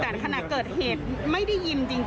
ก็อาจจะต้องสังเกตอะใช้คำว่าสังเกตดีกว่า